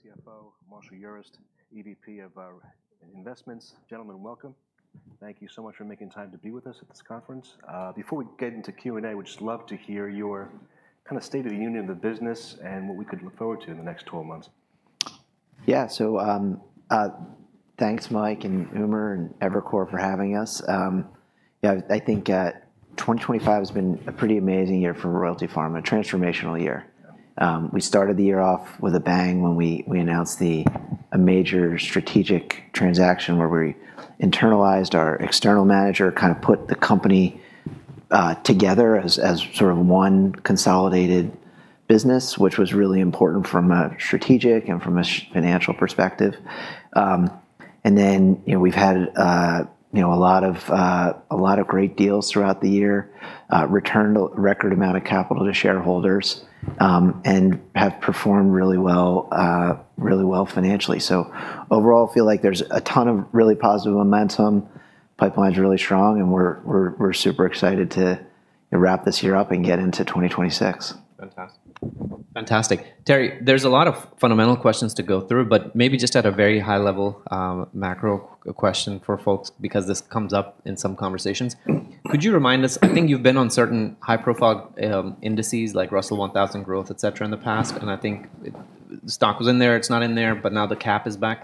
Royalty Pharma, Terrance Coyne, CFO, Marshall Urist, EVP of Investments. Gentlemen, welcome. Thank you so much for making time to be with us at this conference. Before we get into Q&A, we'd just love to hear your kind of state of the union of the business and what we could look forward to in the next 12 months Yeah, so thanks, Mike, and Umer and Evercore for having us. Yeah, I think 2025 has been a pretty amazing year for Royalty Pharma, a transformational year. We started the year off with a bang when we announced a major strategic transaction where we internalized our external manager, kind of put the company together as sort of one consolidated business, which was really important from a strategic and from a financial perspective, and then we've had a lot of great deals throughout the year, returned a record amount of capital to shareholders, and have performed really well financially, so overall, I feel like there's a ton of really positive momentum, pipeline's really strong, and we're super excited to wrap this year up and get into 2026. Fantastic. Terry, there's a lot of fundamental questions to go through, but maybe just at a very high-level macro question for folks because this comes up in some conversations. Could you remind us, I think you've been on certain high-profile indices like Russell 1000 Growth, etc., in the past, and I think the stock was in there, it's not in there, but now the cap is back.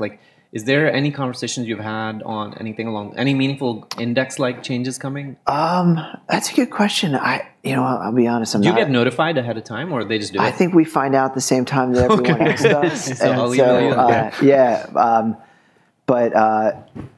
Is there any conversations you've had on anything along, any meaningful index-like changes coming? That's a good question. I'll be honest. Do you get notified ahead of time or they just do it? I think we find out at the same time that everyone else does. So, I'll email you that. Yeah, but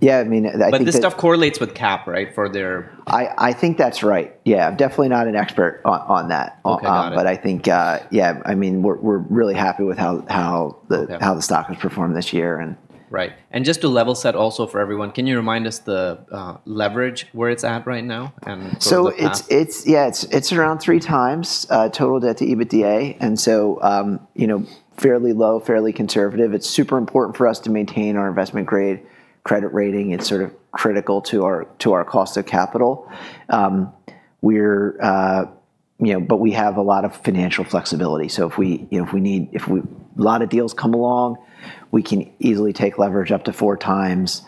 yeah, I mean. But this stuff correlates with cap, right, for their? I think that's right. Yeah, I'm definitely not an expert on that, but I think, yeah, I mean, we're really happy with how the stock has performed this year. Right. And just to level set also for everyone, can you remind us the leverage where it's at right now? So yeah, it's around three times total debt to EBITDA, and so fairly low, fairly conservative. It's super important for us to maintain our investment grade credit rating. It's sort of critical to our cost of capital. But we have a lot of financial flexibility. So if we need, if a lot of deals come along, we can easily take leverage up to four times.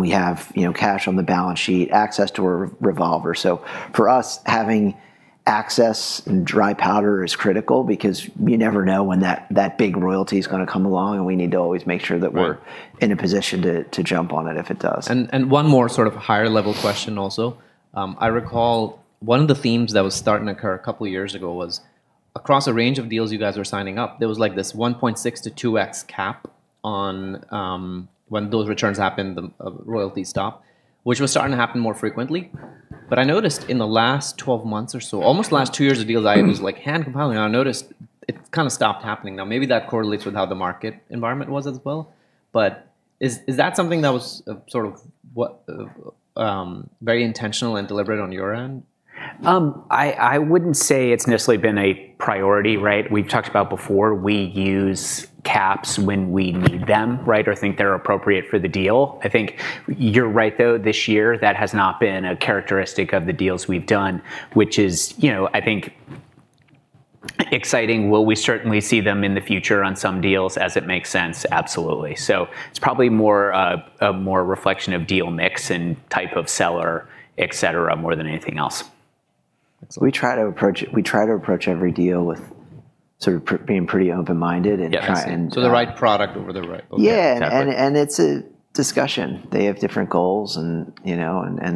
We have cash on the balance sheet, access to a revolver. So for us, having access and dry powder is critical because you never know when that big royalty is going to come along, and we need to always make sure that we're in a position to jump on it if it does. And one more sort of higher-level question also. I recall one of the themes that was starting to occur a couple of years ago was across a range of deals you guys were signing up, there was like this 1.6-2x cap on when those returns happened, the royalty stop, which was starting to happen more frequently. But I noticed in the last 12 months or so, almost the last two years of deals, I was like hand compiling, and I noticed it kind of stopped happening. Now, maybe that correlates with how the market environment was as well. But is that something that was sort of very intentional and deliberate on your end? I wouldn't say it's necessarily been a priority, right? We've talked about before, we use caps when we need them, right, or think they're appropriate for the deal. I think you're right, though, this year that has not been a characteristic of the deals we've done, which is, I think, exciting. We'll certainly see them in the future on some deals as it makes sense? Absolutely. So it's probably more a reflection of deal mix and type of seller, etc., more than anything else. We try to approach every deal with sort of being pretty open-minded and trying. So the right product over the right. Yeah, and it's a discussion. They have different goals, and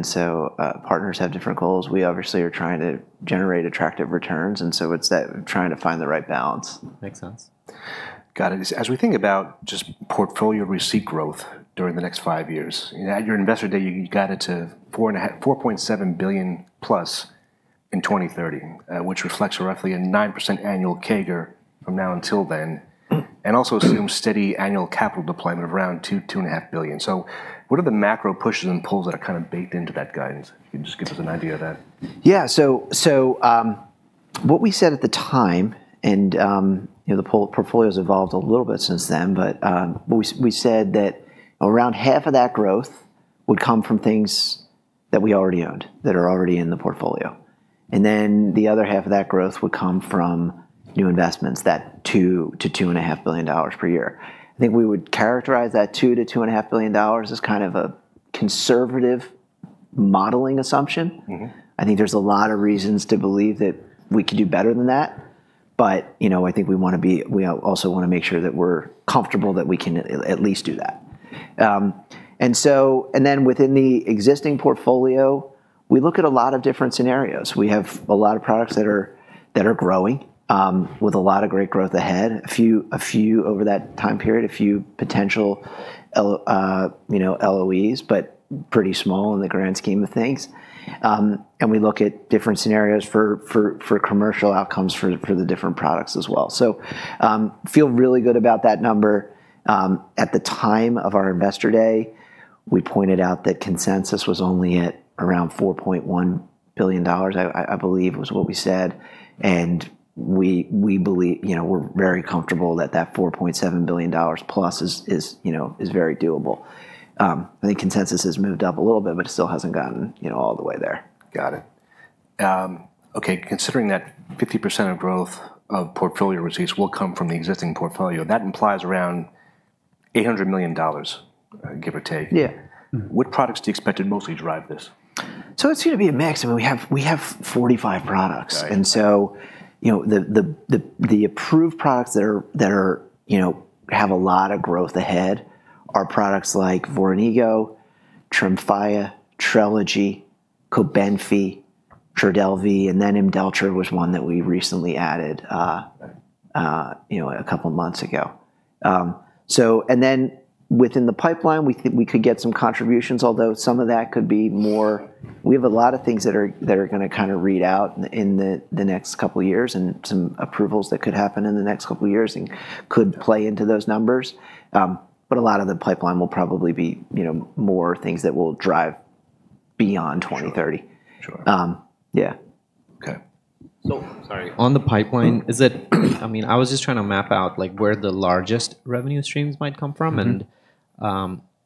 so partners have different goals. We obviously are trying to generate attractive returns, and so it's that trying to find the right balance. Makes sense. Got it. As we think about just portfolio receipt growth during the next five years, at your investor day, you got it to $4.7 billion plus in 2030, which reflects roughly a 9% annual CAGR from now until then, and also assumes steady annual capital deployment of around $2.5 billion. So what are the macro pushes and pulls that are kind of baked into that guidance? You can just give us an idea of that. Yeah, so what we said at the time, and the portfolios evolved a little bit since then, but we said that around half of that growth would come from things that we already owned that are already in the portfolio. And then the other half of that growth would come from new investments, that $2 billion-$2.5 billion per year. I think we would characterize that $2 billion-$2.5 billion as kind of a conservative modeling assumption. I think there's a lot of reasons to believe that we could do better than that, but I think we want to be, we also want to make sure that we're comfortable that we can at least do that. And then within the existing portfolio, we look at a lot of different scenarios. We have a lot of products that are growing with a lot of great growth ahead, a few over that time period, a few potential LOEs, but pretty small in the grand scheme of things. And we look at different scenarios for commercial outcomes for the different products as well. So I feel really good about that number. At the time of our investor day, we pointed out that consensus was only at around $4.1 billion, I believe was what we said, and we believe we're very comfortable that that $4.7 billion plus is very doable. I think consensus has moved up a little bit, but it still hasn't gotten all the way there. Got it. Okay, considering that 50% of growth of portfolio receipts will come from the existing portfolio, that implies around $800 million, give or take. Yeah. What products do you expect to mostly drive this? It's going to be a mix. I mean, we have 45 products, and so the approved products that have a lot of growth ahead are products like Voranigo, Tremfya, Trelegy, Cobenfy, Trodelvy, and then Imdelltra was one that we recently added a couple of months ago. And then within the pipeline, we think we could get some contributions, although some of that could be more. We have a lot of things that are going to kind of read out in the next couple of years and some approvals that could happen in the next couple of years and could play into those numbers. But a lot of the pipeline will probably be more things that will drive beyond 2030. Yeah. Okay. So on the pipeline, is it? I mean, I was just trying to map out where the largest revenue streams might come from, and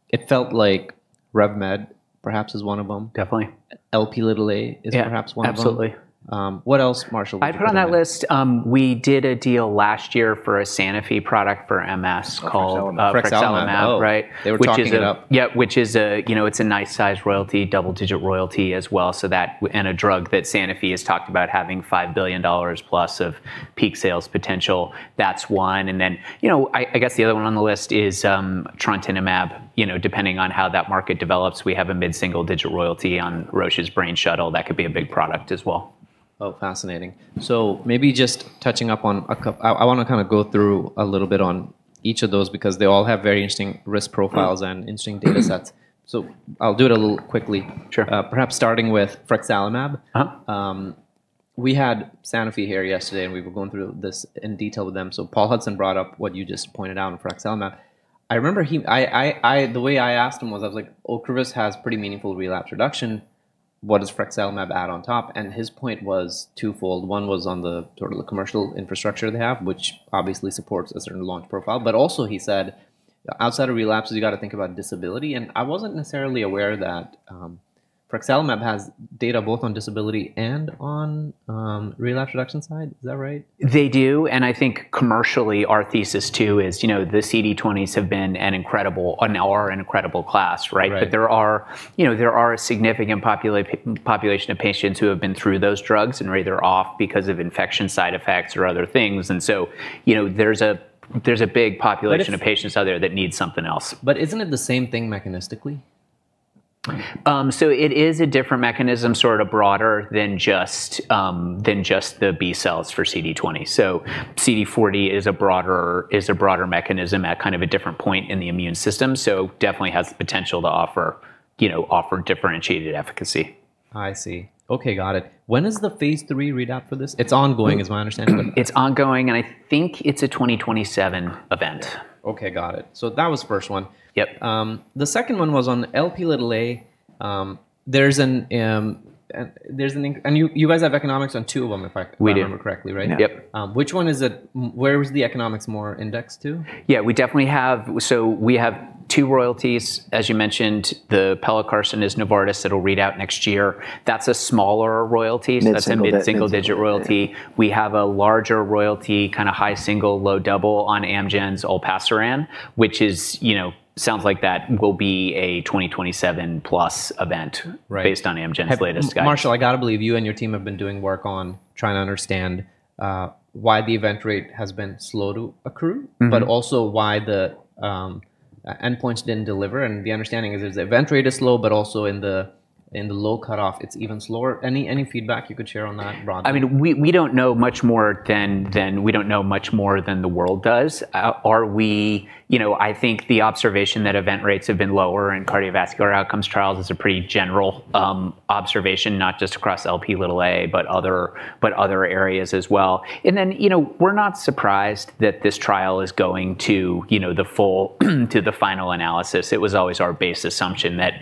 it felt like RevMed perhaps is one of them. Definitely. LP Little A is perhaps one of them. Absolutely. What else, Marshall? I put on that list, we did a deal last year for a Sanofi product for MS called Frexalimab right? They were talking it up. Yeah, which is a nice-sized royalty, double-digit royalty as well, and a drug that Sanofi has talked about having $5 billion plus of peak sales potential. That's one. And then I guess the other one on the list is Trontinemab. Depending on how that market develops, we have a mid-single-digit royalty on Roche's brain shuttle. That could be a big product as well. Oh, fascinating. So maybe just touching up on a couple, I want to kind of go through a little bit on each of those because they all have very interesting risk profiles and interesting data sets. So I'll do it a little quickly. Perhaps starting with Frexalimab, we had Sanofi here yesterday, and we were going through this in detail with them. So Paul Hudson brought up what you just pointed out on Frexalimab. I remember the way I asked him was, I was like, "Ocrevus has pretty meaningful relapse reduction. What does Frexalimab add on top?" And his point was twofold. One was on the sort of the commercial infrastructure they have, which obviously supports a certain launch profile. But also he said, "Outside of relapses, you got to think about disability." And I wasn't necessarily aware that Frexalimab has data both on disability and on relapse reduction side. Is that right? They do. And I think commercially, our thesis too is the CD20s have been an incredible, are an incredible class, right? But there are a significant population of patients who have been through those drugs and either off because of infection side effects or other things. And so there's a big population of patients out there that need something else. But isn't it the same thing mechanistically? So it is a different mechanism, sort of broader than just the B cells for CD20. So CD40 is a broader mechanism at kind of a different point in the immune system. So definitely has the potential to offer differentiated efficacy. I see. Okay, got it. When is the phase 3 readout for this? It's ongoing, is my understanding. It's ongoing, and I think it's a 2027 event. Okay, got it. So that was the first one. Yep. The second one was on Lp(a). There's and you guys have economics on two of them, if I remember correctly, right? We do. Which one is it? Where was the economics more indexed to? Yeah, we definitely have. So we have two royalties. As you mentioned, the Pelacarsen from Novartis that'll read out next year. That's a smaller royalty. That's a mid-single-digit royalty. We have a larger royalty, kind of high single, low double on Amgen's Olpasiran, which sounds like that will be a 2027 plus event based on Amgen's latest guidance. Marshall, I got to believe you and your team have been doing work on trying to understand why the event rate has been slow to accrue, but also why the endpoints didn't deliver. And the understanding is the event rate is slow, but also in the low cutoff, it's even slower. Any feedback you could share on that broadly? I mean, we don't know much more than the world does. I think the observation that event rates have been lower in cardiovascular outcomes trials is a pretty general observation, not just across Lp(a), but other areas as well. Then we're not surprised that this trial is going to the final analysis. It was always our base assumption that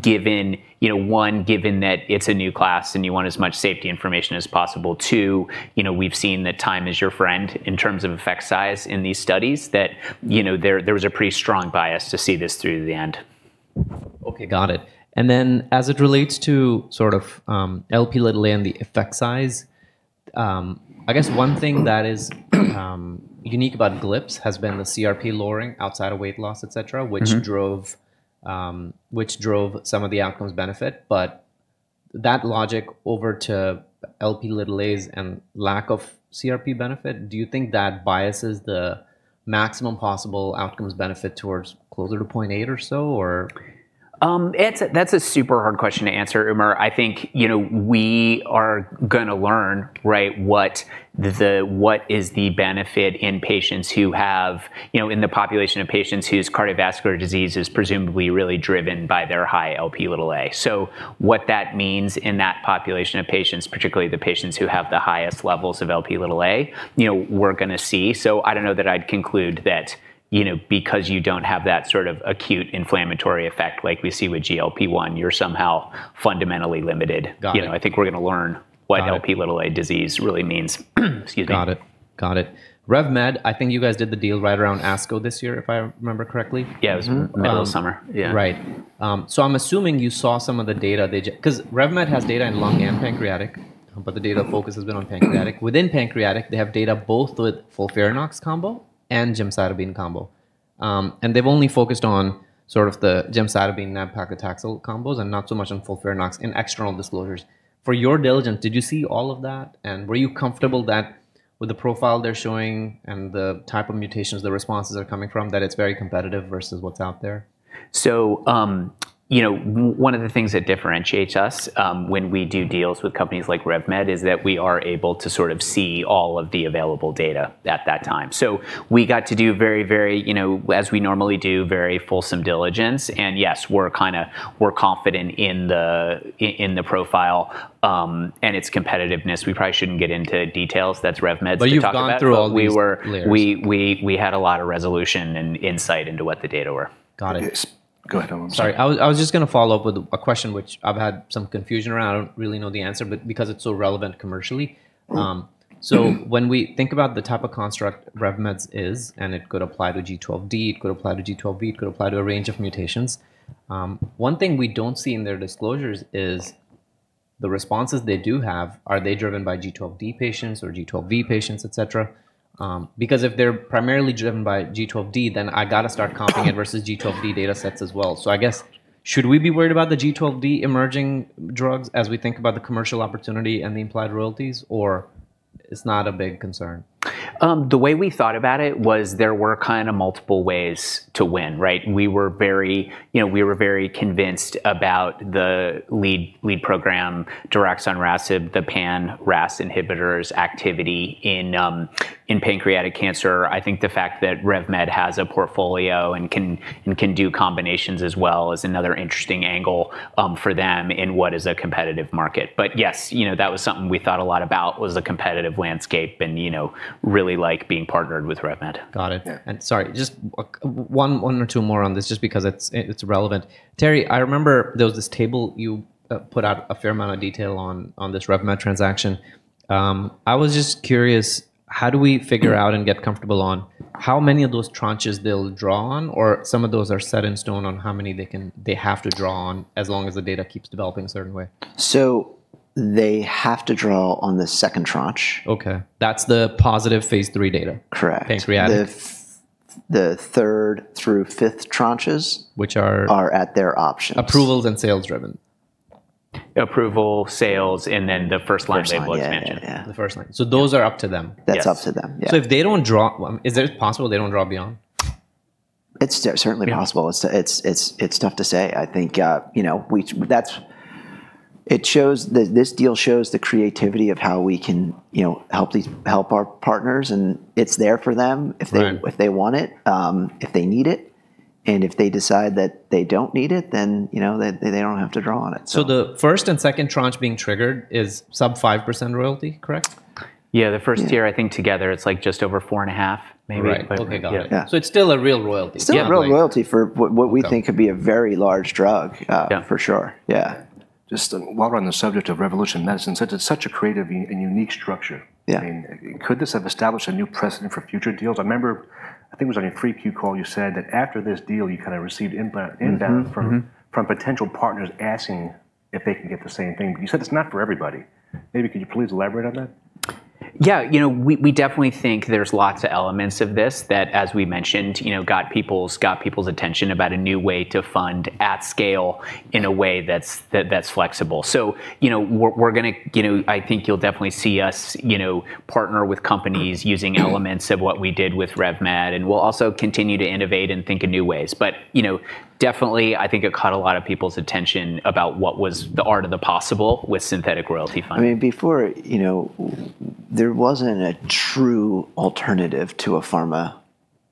given one, it's a new class and you want as much safety information as possible. Two, we've seen that time is your friend in terms of effect size in these studies, that there was a pretty strong bias to see this through to the end. Okay, got it. And then as it relates to sort of LP Little A and the effect size, I guess one thing that is unique about GLPs has been the CRP lowering outside of weight loss, etc., which drove some of the outcomes benefit. But that logic over to LP Little A's and lack of CRP benefit, do you think that biases the maximum possible outcomes benefit towards closer to 0.8 or so? That's a super hard question to answer, Umer. I think we are going to learn, right, what is the benefit in patients who have, in the population of patients whose cardiovascular disease is presumably really driven by their high LP Little A. So what that means in that population of patients, particularly the patients who have the highest levels of LP Little A, we're going to see. So I don't know that I'd conclude that because you don't have that sort of acute inflammatory effect like we see with GLP-1, you're somehow fundamentally limited. I think we're going to learn what LP Little A disease really means. Got it. Got it. RevMed, I think you guys did the deal right around ASCO this year, if I remember correctly. Yeah, it was middle of summer. Yeah. Right. So I'm assuming you saw some of the data, because RevMed has data in lung and pancreatic, but the data focus has been on pancreatic. Within pancreatic, they have data both with Folfirinox combo and Gemcitabine combo. And they've only focused on sort of the Gemcitabine and Paclitaxel combos and not so much on Folfirinox in external disclosures. For your diligence, did you see all of that? And were you comfortable that with the profile they're showing and the type of mutations the responses are coming from, that it's very competitive versus what's out there? So one of the things that differentiates us when we do deals with companies like RevMed is that we are able to sort of see all of the available data at that time. So we got to do very, very, as we normally do, very fulsome diligence. And yes, we're kind of confident in the profile and its competitiveness. We probably shouldn't get into details. That's RevMed's job. But you've gone through all these. We had a lot of resolution and insight into what the data were. Got it. Go ahead. Sorry, I was just going to follow up with a question which I've had some confusion around. I don't really know the answer, but because it's so relevant commercially. When we think about the type of construct RevMed's is, and it could apply to G12D, it could apply to G12V, it could apply to a range of mutations. One thing we don't see in their disclosures is the responses they do have, are they driven by G12D patients or G12V patients, etc.? Because if they're primarily driven by G12D, then I got to start comping it versus G12D data sets as well. So I guess, should we be worried about the G12D emerging drugs as we think about the commercial opportunity and the implied royalties, or it's not a big concern? The way we thought about it was there were kind of multiple ways to win, right? We were very convinced about the lead program, RMC-6236, the pan-RAS inhibitors activity in pancreatic cancer. I think the fact that RevMed has a portfolio and can do combinations as well is another interesting angle for them in what is a competitive market. But yes, that was something we thought a lot about was a competitive landscape and really like being partnered with RevMed. Got it. And sorry, just one or two more on this just because it's relevant. Terry, I remember there was this table you put out a fair amount of detail on this RevMed transaction. I was just curious, how do we figure out and get comfortable on how many of those tranches they'll draw on, or some of those are set in stone on how many they have to draw on as long as the data keeps developing a certain way? They have to draw on the second tranche. Okay. That's the positive phase three data. Correct. Pancreatic. The third through fifth tranches. Which are. Are at their options. Approvals and sales driven. Approval, sales, and then the first line label expansion. The first line. So those are up to them. That's up to them. If they don't draw, is it possible they don't draw beyond? It's certainly possible. It's tough to say. I think it shows that this deal shows the creativity of how we can help our partners, and it's there for them if they want it, if they need it, and if they decide that they don't need it, then they don't have to draw on it. So the first and second tranche being triggered is sub 5% royalty, correct? Yeah, the first tier, I think together it's like just over four and a half maybe. Right. Okay, got it. So it's still a real royalty. Still a real royalty for what we think could be a very large drug, for sure. Yeah. Just while we're on the subject of Revolution Medicines, such a creative and unique structure. I mean, could this have established a new precedent for future deals? I remember, I think it was on your 3Q call, you said that after this deal, you kind of received inbound from potential partners asking if they can get the same thing. But you said it's not for everybody. Maybe could you please elaborate on that? Yeah, we definitely think there's lots of elements of this that, as we mentioned, got people's attention about a new way to fund at scale in a way that's flexible. So we're going to, I think you'll definitely see us partner with companies using elements of what we did with RevMed, and we'll also continue to innovate and think in new ways. But definitely, I think it caught a lot of people's attention about what was the art of the possible with synthetic royalty funding. I mean. Before, there wasn't a true alternative to a pharma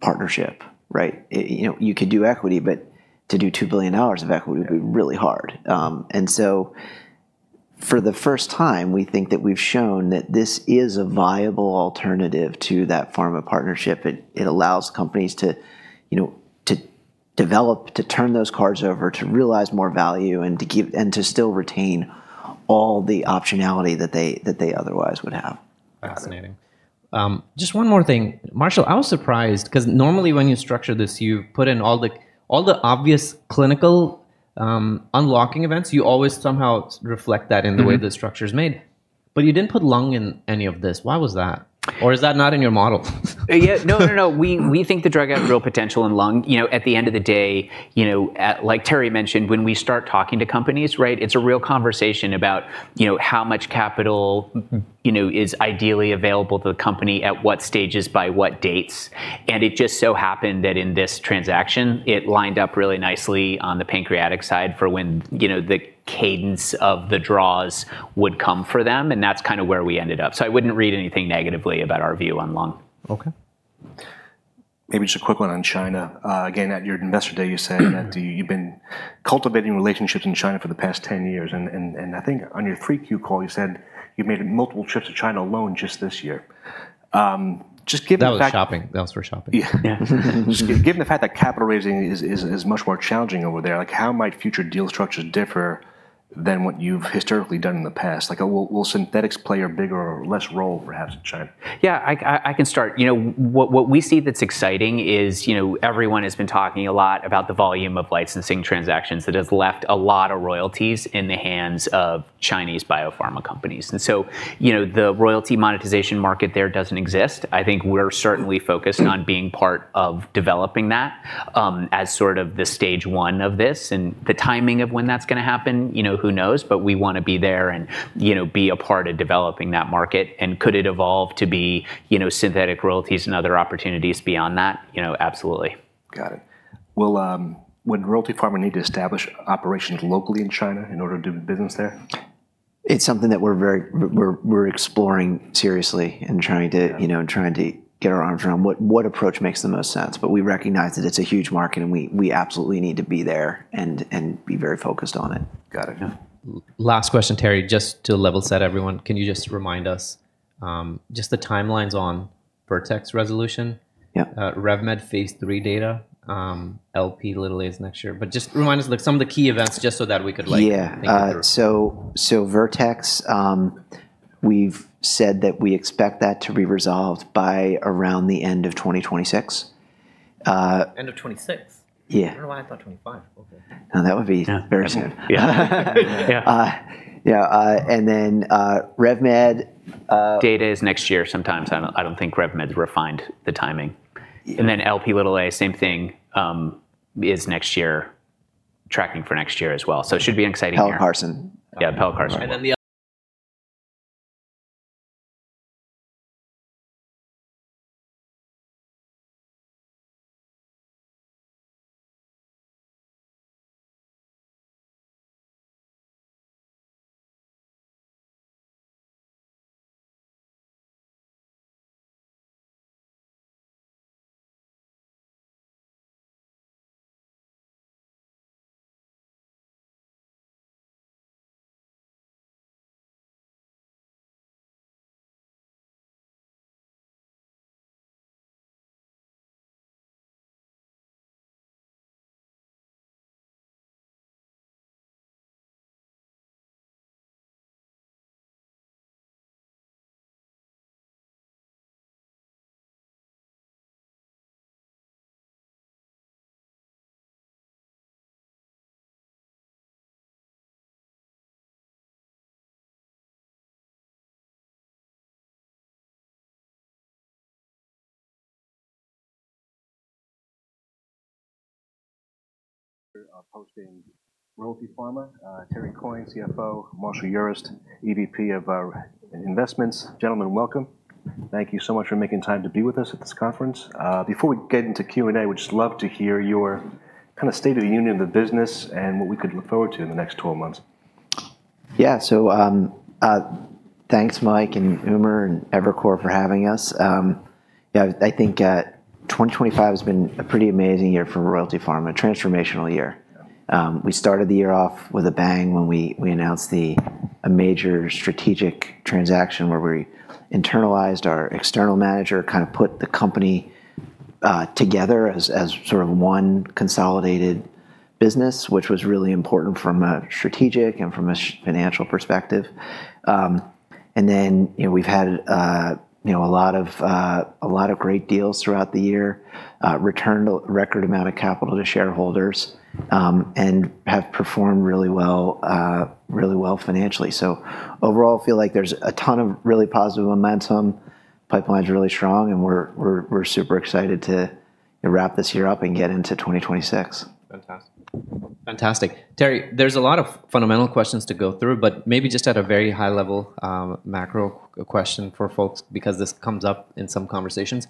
partnership, right? You could do equity, but to do $2 billion of equity would be really hard. And so for the first time, we think that we've shown that this is a viable alternative to that pharma partnership. It allows companies to develop, to turn those cards over, to realize more value, and to still retain all the optionality that they otherwise would have. Fascinating. Just one more thing. Marshall, I was surprised because normally when you structure this, you put in all the obvious clinical unlocking events. You always somehow reflect that in the way the structure is made. But you didn't put lung in any of this. Why was that? Or is that not in your model? No, no, no. We think the drug has real potential in lung. At the end of the day, like Terry mentioned, when we start talking to companies, right, it's a real conversation about how much capital is ideally available to the company at what stages by what dates. And it just so happened that in this transaction, it lined up really nicely on the pancreatic side for when the cadence of the draws would come for them. And that's kind of where we ended up. So I wouldn't read anything negatively about our view on lung. Okay. Maybe just a quick one on China. Again, at your investor day, you said that you've been cultivating relationships in China for the past 10 years. And I think on your 3Q call, you said you've made multiple trips to China alone just this year. Just given the fact. That was for shopping. Yeah. Just given the fact that capital raising is much more challenging over there, how might future deal structures differ than what you've historically done in the past? Will synthetics play a bigger or less role perhaps in China? Yeah, I can start. What we see that's exciting is everyone has been talking a lot about the volume of licensing transactions that has left a lot of royalties in the hands of Chinese biopharma companies. And so the royalty monetization market there doesn't exist. I think we're certainly focused on being part of developing that as sort of the stage one of this. And the timing of when that's going to happen, who knows, but we want to be there and be a part of developing that market. And could it evolve to be synthetic royalties and other opportunities beyond that? Absolutely. Got it. Will Royalty Pharma need to establish operations locally in China in order to do business there? It's something that we're exploring seriously and trying to get our arms around what approach makes the most sense, but we recognize that it's a huge market and we absolutely need to be there and be very focused on it. Got it. Last question, Terry, just to level set everyone. Can you just remind us just the timelines on Vertex resolution, RevMed phase three data, LP Little A's next year? But just remind us some of the key events just so that we could think through. Yeah. So Vertex, we've said that we expect that to be resolved by around the end of 2026. End of 2026? Yeah. I don't know why I thought 2025. Okay. Now that would be very soon. Yeah. Yeah. And then RevMed. Data is next year sometimes. I don't think RevMed's refined the timing. And then LP Little A, same thing, is next year, tracking for next year as well. So it should be an exciting year. Pell Carson. Yeah, Pelacarsen. And then the. We are hosting Royalty Pharma, Terry Coyne, CFO, Marshall Urist, EVP of Investments. Gentlemen, welcome. Thank you so much for making time to be with us at this conference. Before we get into Q&A, we'd just love to hear your kind of state of the union of the business and what we could look forward to in the next 12 months. Yeah, so thanks, Mike and Umer and Evercore for having us. Yeah, I think 2025 has been a pretty amazing year for Royalty Pharma, a transformational year. We started the year off with a bang when we announced a major strategic transaction where we internalized our external manager, kind of put the company together as sort of one consolidated business, which was really important from a strategic and from a financial perspective. And then we've had a lot of great deals throughout the year, returned a record amount of capital to shareholders, and have performed really well financially. So overall, I feel like there's a ton of really positive momentum, pipeline's really strong, and we're super excited to wrap this year up and get into 2026. Fantastic. Fantastic. Terry, there's a lot of fundamental questions to go through, but maybe just at a very high-level macro question for folks because this comes up in some conversations.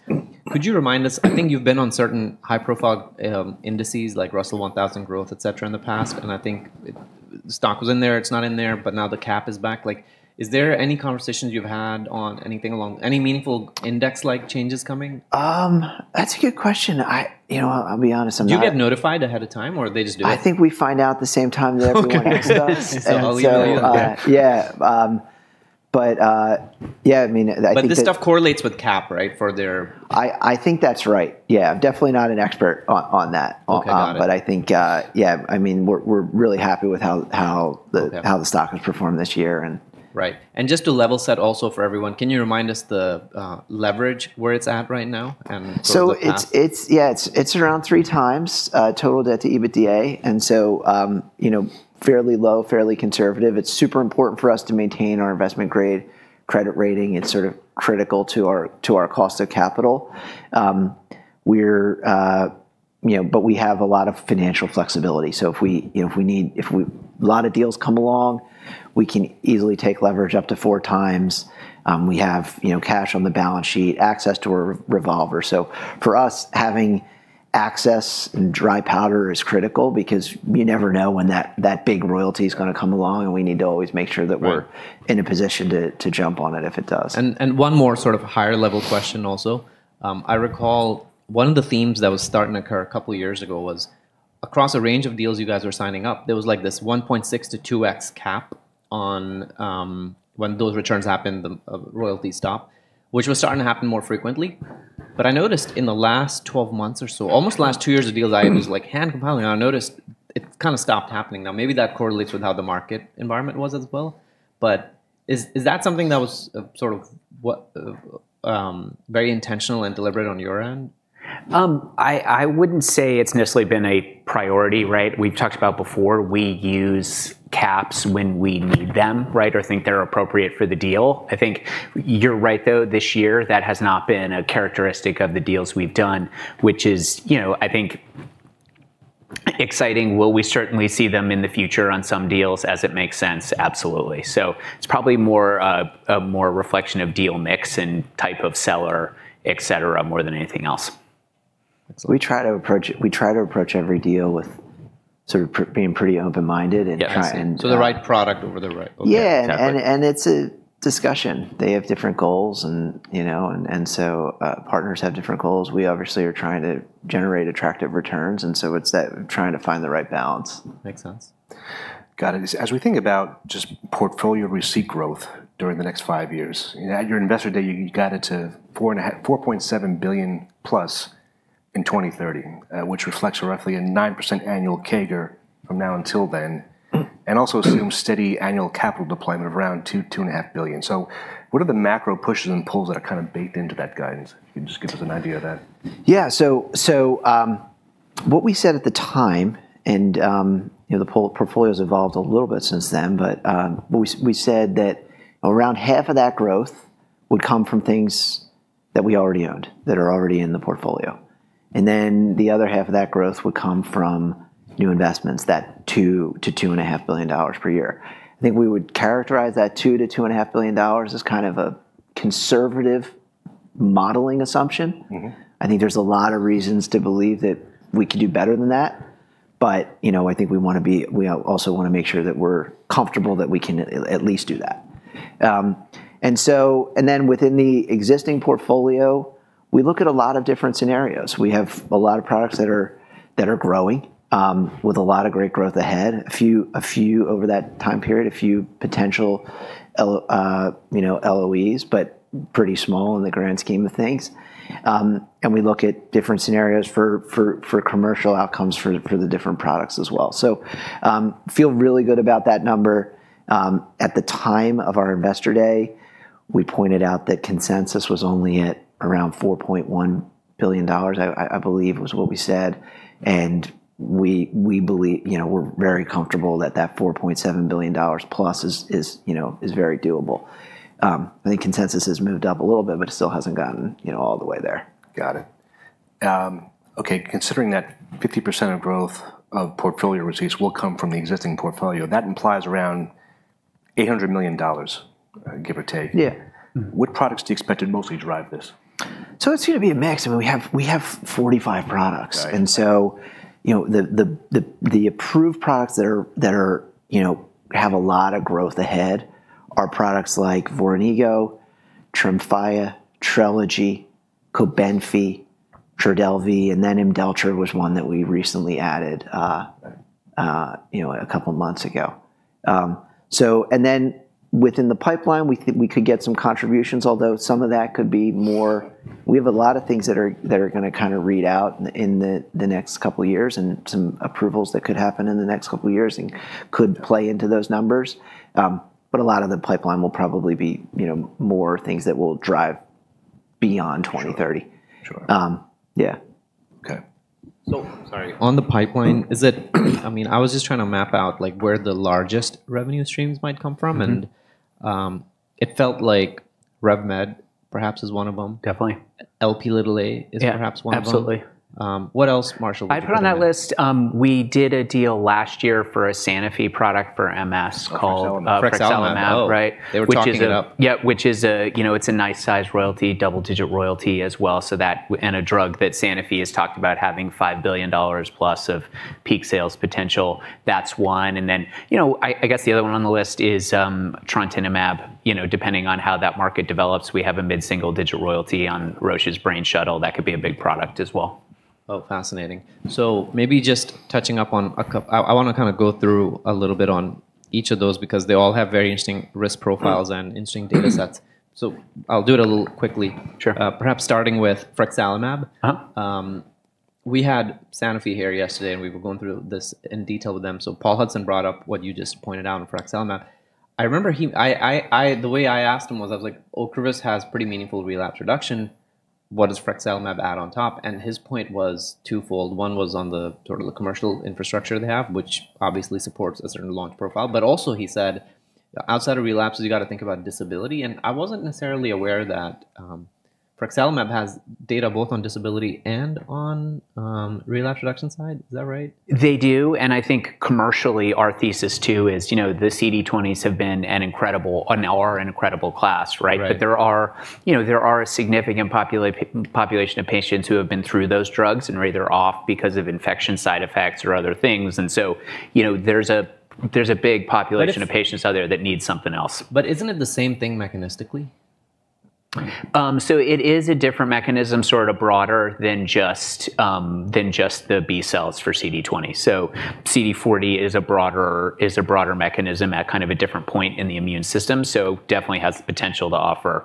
Could you remind us? I think you've been on certain high-profile indices like Russell 1000 Growth, etc., in the past. And I think stock was in there, it's not in there, but now the cap is back. Is there any conversations you've had on anything along, any meaningful index-like changes coming? That's a good question. I'll be honest. Do you get notified ahead of time or they just do it? I think we find out the same time that everyone next to us. Oh, you do? Yeah. But yeah, I mean. But this stuff correlates with cap, right, for their. I think that's right. Yeah, I'm definitely not an expert on that. Oh, got it. But I think, yeah, I mean, we're really happy with how the stock has performed this year. Right. And just to level set also for everyone, can you remind us the leverage where it's at right now, and? So yeah, it's around three times total debt to EBITDA. And so fairly low, fairly conservative. It's super important for us to maintain our investment grade credit rating. It's sort of critical to our cost of capital. But we have a lot of financial flexibility. So if we need, if a lot of deals come along, we can easily take leverage up to four times. We have cash on the balance sheet, access to a revolver. So for us, having access and dry powder is critical because you never know when that big royalty is going to come along, and we need to always make sure that we're in a position to jump on it if it does. One more sort of higher-level question also. I recall one of the themes that was starting to occur a couple of years ago was across a range of deals you guys were signing up, there was like this 1.6-2x cap on when those returns happen, the royalty stop, which was starting to happen more frequently. But I noticed in the last 12 months or so, almost the last two years of deals I was like hand compiling, I noticed it kind of stopped happening. Now, maybe that correlates with how the market environment was as well. But is that something that was sort of very intentional and deliberate on your end? I wouldn't say it's necessarily been a priority, right? We've talked about before, we use caps when we need them, right, or think they're appropriate for the deal. I think you're right though, this year that has not been a characteristic of the deals we've done, which is, I think, exciting. Will we certainly see them in the future on some deals as it makes sense? Absolutely. So it's probably more a reflection of deal mix and type of seller, etc., more than anything else. We try to approach every deal with sort of being pretty open-minded and trying. Yes, so the right product over the right. Yeah, and it's a discussion. They have different goals, and so partners have different goals. We obviously are trying to generate attractive returns, and so it's that trying to find the right balance. Makes sense. Got it. As we think about just portfolio receipt growth during the next five years, at your investor day, you got it to $4.7 billion plus in 2030, which reflects roughly a 9% annual CAGR from now until then, and also assumes steady annual capital deployment of around $2.5 billion. So what are the macro pushes and pulls that are kind of baked into that guidance? You can just give us an idea of that. Yeah. So what we said at the time, and the portfolios evolved a little bit since then, but we said that around half of that growth would come from things that we already owned that are already in the portfolio. And then the other half of that growth would come from new investments, that $2 billion-$2.5 billion per year. I think we would characterize that $2 billion-$2.5 billion as kind of a conservative modeling assumption. I think there's a lot of reasons to believe that we could do better than that. But I think we want to be, we also want to make sure that we're comfortable that we can at least do that. And then within the existing portfolio, we look at a lot of different scenarios. We have a lot of products that are growing with a lot of great growth ahead, a few over that time period, a few potential LOEs, but pretty small in the grand scheme of things. And we look at different scenarios for commercial outcomes for the different products as well. So feel really good about that number. At the time of our investor day, we pointed out that consensus was only at around $4.1 billion, I believe was what we said. And we believe we're very comfortable that that $4.7 billion plus is very doable. I think consensus has moved up a little bit, but it still hasn't gotten all the way there. Got it. Okay. Considering that 50% of growth of portfolio receipts will come from the existing portfolio, that implies around $800 million, give or take. Yeah. What products do you expect to mostly drive this? So it's going to be a mix. I mean, we have 45 products. And so the approved products that have a lot of growth ahead are products like Voranigo, Tremfya, Trelegy, Cobenfy, Trodelvy, and then Imdelltra was one that we recently added a couple of months ago. And then within the pipeline, we could get some contributions, although some of that could be more. We have a lot of things that are going to kind of read out in the next couple of years and some approvals that could happen in the next couple of years and could play into those numbers. But a lot of the pipeline will probably be more things that will drive beyond 2030. Yeah. Okay, so on the pipeline, I mean, I was just trying to map out where the largest revenue streams might come from, and it felt like RevMed perhaps is one of them. Definitely. Lp(a) is perhaps one of them. Absolutely. What else, Marshall? I put on that list. We did a deal last year for a Sanofi product for MS called Frexalimab, right? They were talking it up. Yeah, which is a nice-sized royalty, double-digit royalty as well. And a drug that Sanofi has talked about having $5 billion plus of peak sales potential. That's one. And then I guess the other one on the list is Trontinemab. Depending on how that market develops, we have a mid-single-digit royalty on Roche's brain shuttle. That could be a big product as well. Oh, fascinating. So maybe just touching up on a couple, I want to kind of go through a little bit on each of those because they all have very interesting risk profiles and interesting data sets. So I'll do it a little quickly. Perhaps starting with frexalimab. We had Sanofi here yesterday and we were going through this in detail with them. So Paul Hudson brought up what you just pointed out in frexalimab. The way I asked him was, I was like, "Ocrevus has pretty meaningful relapse reduction. What does frexalimab add on top?" And his point was twofold. One was on the sort of the commercial infrastructure they have, which obviously supports a certain launch profile. But also he said, "Outside of relapses, you got to think about disability." And I wasn't necessarily aware that frexalimab has data both on disability and on relapse reduction side. Is that right? They do. And I think commercially, our thesis too is the CD20s have been an incredible, are an incredible class, right? But there are a significant population of patients who have been through those drugs and are either off because of infection side effects or other things. And so there's a big population of patients out there that need something else. But isn't it the same thing mechanistically? So it is a different mechanism, sort of broader than just the B cells for CD20. So CD40 is a broader mechanism at kind of a different point in the immune system. So definitely has the potential to offer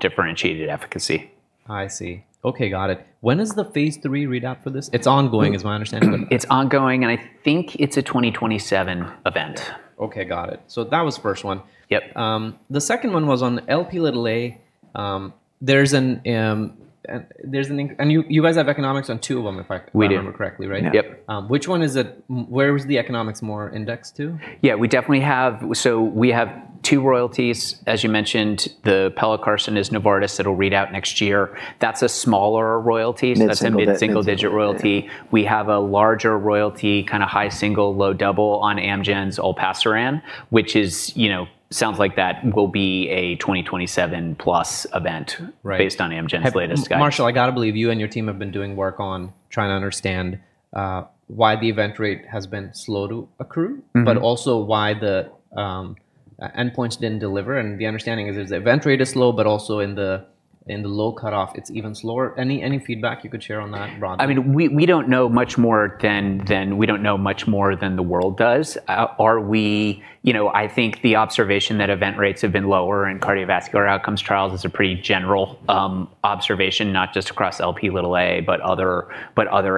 differentiated efficacy. I see. Okay, got it. When is the phase 3 readout for this? It's ongoing, is my understanding. It's ongoing, and I think it's a 2027 event. Okay, got it. So that was the first one. Yep. The second one was on Lp(a). There's and you guys have economics on two of them, if I remember correctly, right? We do. Which one is it? Where was the economics more indexed to? Yeah, we definitely have. So we have two royalties. As you mentioned, the Pelacarsen is Novartis that'll read out next year. That's a smaller royalty. Mid-single digit. That's a mid-single digit royalty. We have a larger royalty, kind of high single, low double on Amgen's Olpasiran, which sounds like that will be a 2027 plus event based on Amgen's latest guide. Marshall, I got to believe you and your team have been doing work on trying to understand why the event rate has been slow to accrue, but also why the endpoints didn't deliver, and the understanding is the event rate is slow, but also in the low cutoff, it's even slower. Any feedback you could share on that broadly? I mean, we don't know much more than the world does. I think the observation that event rates have been lower in cardiovascular outcomes trials is a pretty general observation, not just across LP Little A, but other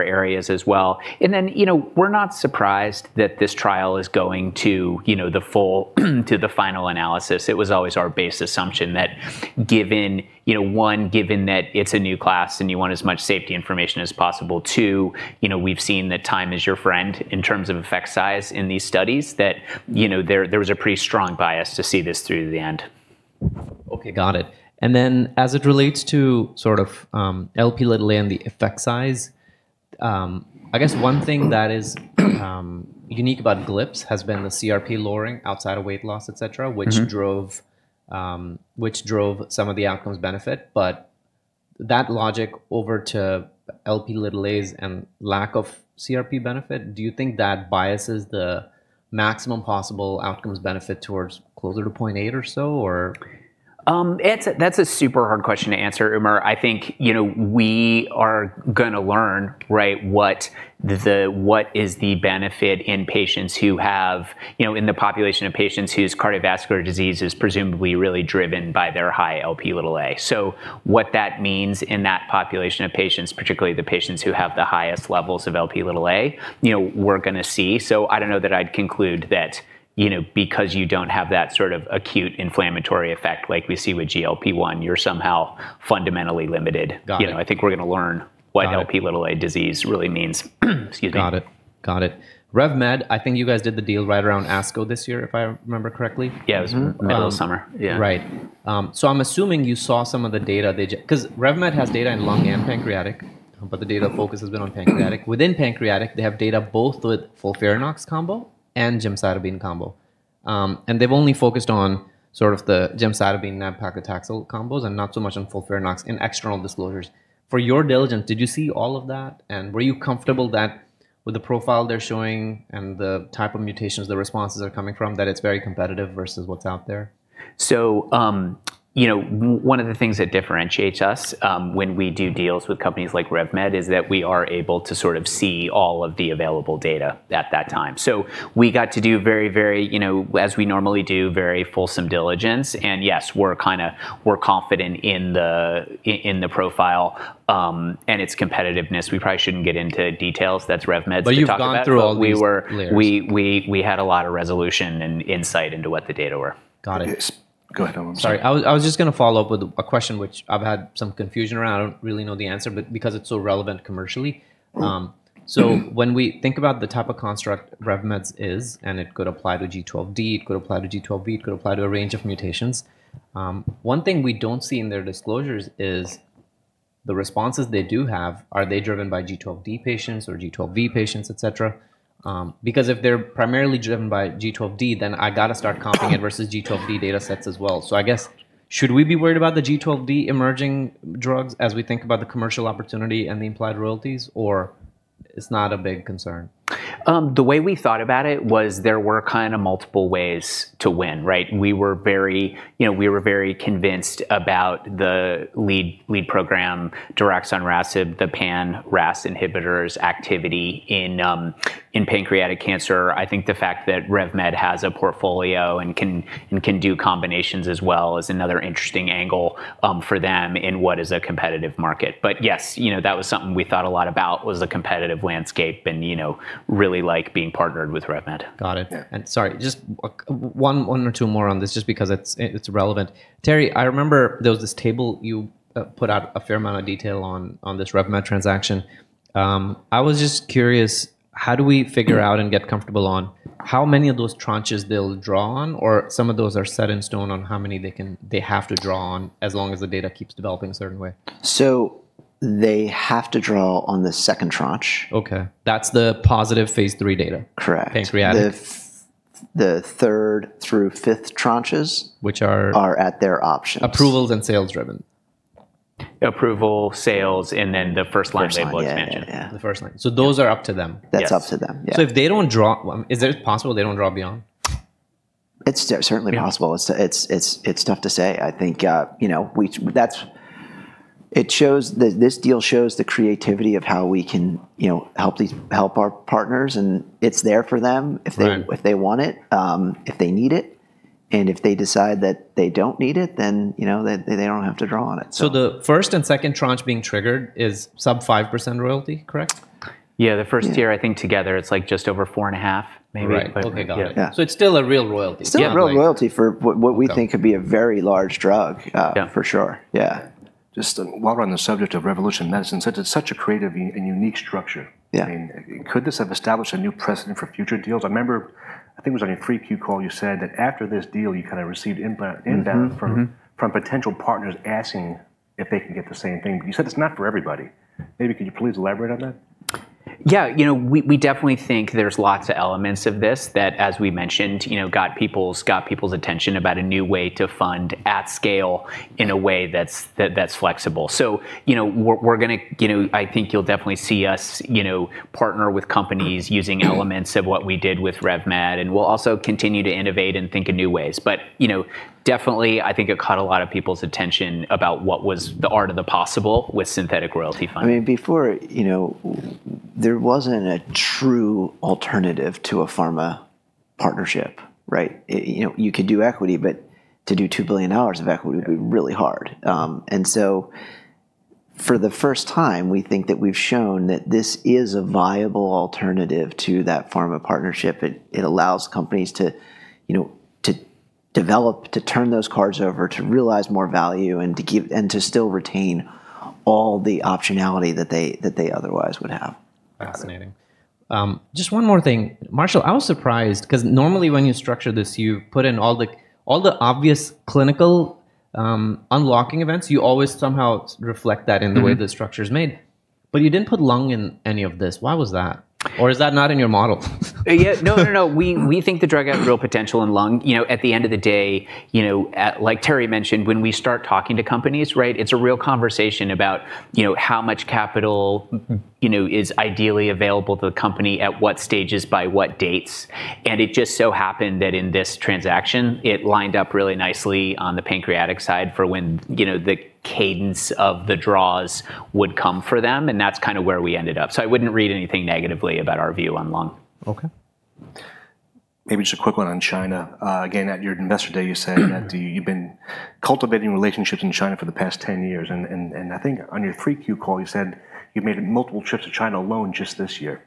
areas as well, and then we're not surprised that this trial is going to the final analysis. It was always our base assumption that given that it's a new class and you want as much safety information as possible. Two, we've seen that time is your friend in terms of effect size in these studies, that there was a pretty strong bias to see this through to the end. Okay, got it. And then as it relates to sort of LP Little A and the effect size, I guess one thing that is unique about GLPs has been the CRP lowering outside of weight loss, etc., which drove some of the outcomes benefit. But that logic over to LP Little A's and lack of CRP benefit, do you think that biases the maximum possible outcomes benefit towards closer to 0.8 or so? That's a super hard question to answer, Umer. I think we are going to learn, right, what is the benefit in patients who have in the population of patients whose cardiovascular disease is presumably really driven by their high LP Little A. So what that means in that population of patients, particularly the patients who have the highest levels of LP Little A, we're going to see. So I don't know that I'd conclude that because you don't have that sort of acute inflammatory effect like we see with GLP-1, you're somehow fundamentally limited. I think we're going to learn what LP Little A disease really means. Got it. Got it. RevMed, I think you guys did the deal right around ASCO this year, if I remember correctly. Yeah, it was middle of summer. Yeah. Right. So I'm assuming you saw some of the data. Because RevMed has data in lung and pancreatic, but the data focus has been on pancreatic. Within pancreatic, they have data both with Folfirinox combo and Gemcitabine combo. And they've only focused on sort of the Gemcitabine and Paclitaxel combos and not so much on Folfirinox in external disclosures. For your diligence, did you see all of that? And were you comfortable that with the profile they're showing and the type of mutations the responses are coming from, that it's very competitive versus what's out there? So one of the things that differentiates us when we do deals with companies like RevMed is that we are able to sort of see all of the available data at that time. So we got to do very, very, as we normally do, very fulsome diligence. Yes, we're kind of confident in the profile and its competitiveness. We probably shouldn't get into details. That's RevMed's job. But you've gone through all these. We had a lot of resolution and insight into what the data were. Got it. Sorry. I was just going to follow up with a question which I've had some confusion around. I don't really know the answer, but because it's so relevant commercially. So when we think about the type of construct RevMed's is, and it could apply to G12D, it could apply to G12V, it could apply to a range of mutations. One thing we don't see in their disclosures is the responses they do have, are they driven by G12D patients or G12V patients, etc.? Because if they're primarily driven by G12D, then I got to start comping it versus G12V data sets as well. So I guess, should we be worried about the G12D emerging drugs as we think about the commercial opportunity and the implied royalties, or it's not a big concern? The way we thought about it was there were kind of multiple ways to win, right? We were very convinced about the lead program, RMC-6236, the pan-RAS inhibitors activity in pancreatic cancer. I think the fact that RevMed has a portfolio and can do combinations as well is another interesting angle for them in what is a competitive market. But yes, that was something we thought a lot about was a competitive landscape and really like being partnered with RevMed. Got it. And sorry, just one or two more on this just because it's relevant. Terry, I remember there was this table you put out a fair amount of detail on this RevMed transaction. I was just curious, how do we figure out and get comfortable on how many of those tranches they'll draw on, or some of those are set in stone on how many they have to draw on as long as the data keeps developing a certain way? They have to draw on the second tranche. Okay. That's the positive phase three data. Correct. Pancreatic. The third through fifth tranches. Which are? Are at their options. Approvals and sales driven. Approval, sales, and then the first line label expansion. The first line. So those are up to them. That's up to them. So if they don't draw, is it possible they don't draw beyond? It's certainly possible. It's tough to say. I think it shows that this deal shows the creativity of how we can help our partners, and it's there for them if they want it, if they need it. And if they decide that they don't need it, then they don't have to draw on it. So the first and second tranche being triggered is sub 5% royalty, correct? Yeah, the first tier, I think together it's like just over four and a half maybe. Right. Okay, got it. So it's still a real royalty. Still a real royalty for what we think could be a very large drug, for sure. Yeah. Just while we're on the subject of Revolution Medicines, such a creative and unique structure. I mean, could this have established a new precedent for future deals? I remember, I think it was on your 3Q call, you said that after this deal, you kind of received inbound from potential partners asking if they can get the same thing. But you said it's not for everybody. Maybe could you please elaborate on that? Yeah. We definitely think there's lots of elements of this that, as we mentioned, got people's attention about a new way to fund at scale in a way that's flexible. So we're going to, I think you'll definitely see us partner with companies using elements of what we did with RevMed, and we'll also continue to innovate and think in new ways. But definitely, I think it caught a lot of people's attention about what was the art of the possible with synthetic royalty funding. I mean, before, there wasn't a true alternative to a pharma partnership, right? You could do equity, but to do $2 billion of equity would be really hard. And so for the first time, we think that we've shown that this is a viable alternative to that pharma partnership. It allows companies to develop, to turn those cards over, to realize more value, and to still retain all the optionality that they otherwise would have. Fascinating. Just one more thing. Marshall, I was surprised because normally when you structure this, you put in all the obvious clinical unlocking events, you always somehow reflect that in the way the structure is made. But you didn't put lung in any of this. Why was that? Or is that not in your model? Yeah. No, no, no. We think the drug has real potential in lung. At the end of the day, like Terry mentioned, when we start talking to companies, right, it's a real conversation about how much capital is ideally available to the company at what stages by what dates. And it just so happened that in this transaction, it lined up really nicely on the pancreatic side for when the cadence of the draws would come for them. And that's kind of where we ended up. So I wouldn't read anything negatively about our view on lung. Okay. Maybe just a quick one on China. Again, at your investor day, you said that you've been cultivating relationships in China for the past 10 years. And I think on your 3Q call, you said you've made multiple trips to China alone just this year.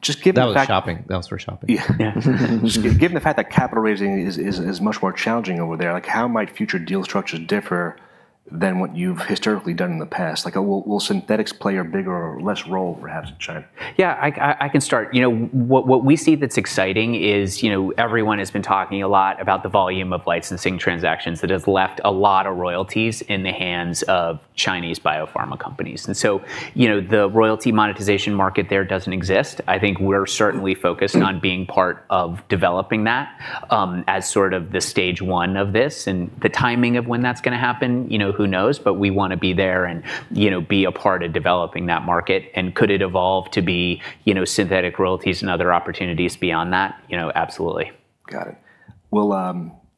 Just given the fact. That was for shopping. Yeah. Given the fact that capital raising is much more challenging over there, how might future deal structures differ than what you've historically done in the past? Will synthetics play a bigger or less role perhaps in China? Yeah, I can start. What we see that's exciting is everyone has been talking a lot about the volume of licensing transactions that has left a lot of royalties in the hands of Chinese biopharma companies. And so the royalty monetization market there doesn't exist. I think we're certainly focused on being part of developing that as sort of the stage one of this. And the timing of when that's going to happen, who knows, but we want to be there and be a part of developing that market. And could it evolve to be synthetic royalties and other opportunities beyond that? Absolutely. Got it. Will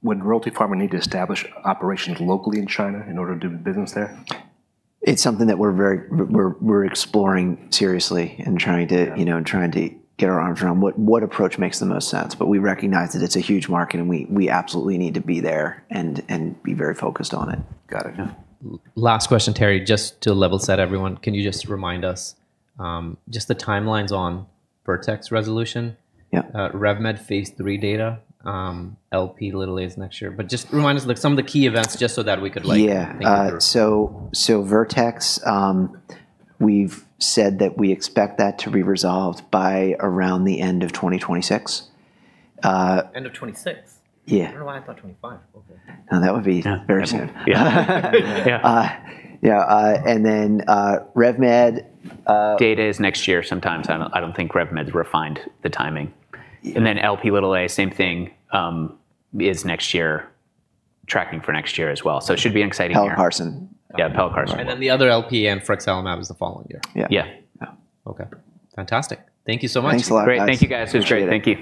Royalty Pharma need to establish operations locally in China in order to do business there? It's something that we're exploring seriously and trying to get our arms around what approach makes the most sense, but we recognize that it's a huge market and we absolutely need to be there and be very focused on it. Got it. Last question, Terry, just to level set everyone. Can you just remind us just the timelines on Vertex resolution, RevMed phase three data, LP little a's next year? But just remind us some of the key events just so that we could think through. Yeah, so Vertex, we've said that we expect that to be resolved by around the end of 2026. End of 2026? Yeah. I don't know why I thought 2025. Okay. Now that would be very soon. Yeah. Yeah, and then RevMed. Data is next year. Sometimes I don't think RevMed's refined the timing, and then LP Little A, same thing, is next year, tracking for next year as well, so it should be an exciting year. Pell Carson. Yeah, Pelacarsen. And then the other LP and Frexalimab is the following year. Yeah. Yeah. Okay. Fantastic. Thank you so much. Thanks a lot. Great. Thank you guys. It was great. Thank you.